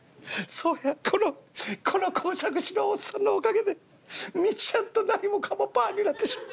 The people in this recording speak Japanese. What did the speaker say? そうやこのこの講釈師のおっさんのおかげでみっちゃんと何もかもパアになってしもた。